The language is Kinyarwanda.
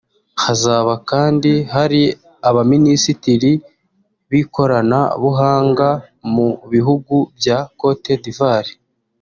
Hazaba kandi hari abaminisitiri b’ikoranabuhanga mu bihugu bya Cote d’Ivoire